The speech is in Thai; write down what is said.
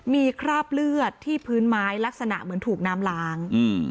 มีคราบเลือดที่พื้นไม้ลักษณะเหมือนถูกน้ำล้าง